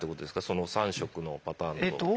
その３色のパターンと。